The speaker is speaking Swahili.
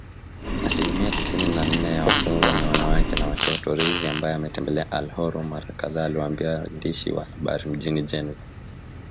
Asilimia tisini na nne ya wafungwa ni wanawake na watoto, Rizi ambaye ametembelea Al Hol mara kadhaa aliwaambia waandishi wa habari mjini Geneva